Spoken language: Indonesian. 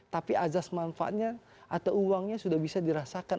tapi azas manfaatnya atau uangnya sudah bisa dirasakan